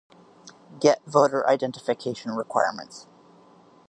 Get voter identification requirements.